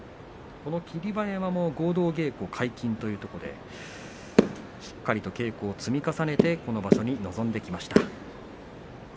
この霧馬山も合同稽古解禁ということでしっかりと稽古を積み重ねてこの場所に臨んできました。